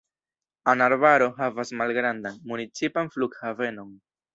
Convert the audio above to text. An-Arbaro havas malgrandan, municipan flughavenon.